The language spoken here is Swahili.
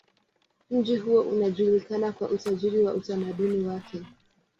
Mji huo unajulikana kwa utajiri wa utamaduni wake.